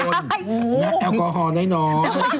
และแอลกอฮอล์ให้น้อง